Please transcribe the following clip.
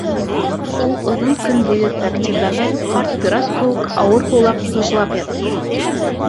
Ул оҙон көн буйы трактирҙағы ҡарт пират кеүек ауыр һулап, ғыжлап ятты.